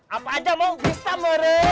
apa aja mau bisa merek